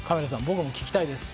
僕も聞きたいです。